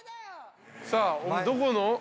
さあどこの。